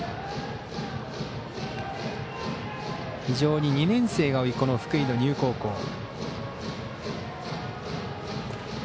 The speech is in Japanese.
非常に２年生が多い福井の丹生高校。